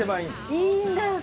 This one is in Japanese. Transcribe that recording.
いいんだ？